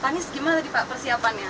pak anies gimana nih pak persiapannya